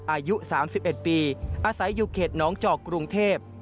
อายุ๓๑ปีอาศัยอยู่เขตน้องจอกกรุงเทพ